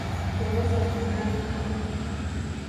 Yayasama n'alumako.